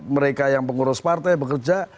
mereka yang pengurus partai bekerja